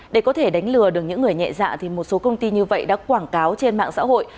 để có thể đánh lừa được những người nhẹ dạ thì một số công ty như vậy đã quảng cáo trên mạng xã hội